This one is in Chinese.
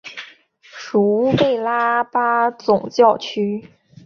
属乌贝拉巴总教区。